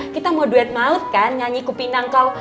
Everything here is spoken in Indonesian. kita mau duet maut kan nyanyi kupinang kalau